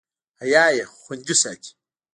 حیا یې خوندي ساتي.